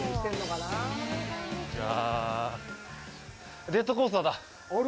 こんにちは。